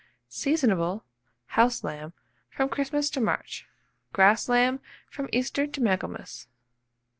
Seasonable, house lamb, from Christmas to March; grass lamb, from Easter to Michaelmas.